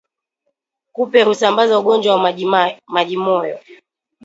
Kupe husambaza ugonjwa wa majimoyo